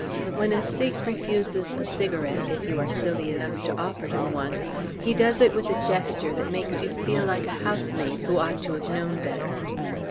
When a Sikh refuses a cigarette (if you are silly enough to offer him one) he does it with a gesture that makes you feel like a housemaid who ought to have known better.